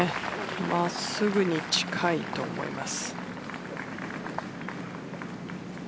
真っすぐに近いと思います。